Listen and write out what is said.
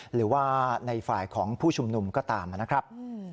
หรือว่าในฝ่ายของผู้ชุมนุมก็ตามนะครับ